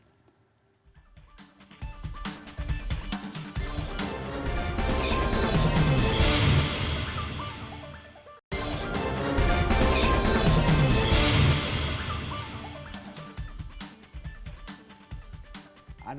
mas romel kita kembali bersama anda